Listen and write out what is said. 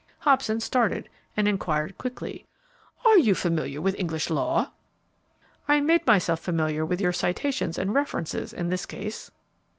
Hobson started, and inquired quickly, "Are you familiar with English law?" "I made myself familiar with your citations and references in this case."